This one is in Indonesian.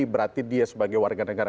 berarti dia sebagai warga negara